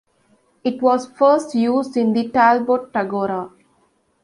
It was first used in the Talbot Tagora.